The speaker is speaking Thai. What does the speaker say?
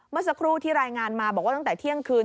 เมื่อสักครู่ที่รายงานมาบอกว่าตั้งแต่เที่ยงคืน